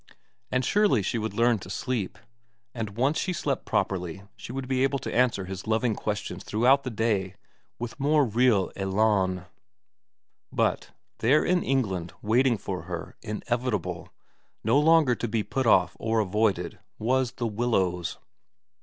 And surely she would learn to sleep ; and once she slept properly she would be able to answer his loving questions throughout the day with more real elan. But, there in England waiting for her, inevitable, no longer to be put off or avoided, was The Willows.